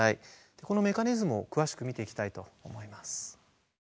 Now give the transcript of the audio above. このメカニズムを詳しく見ていきたいと思います。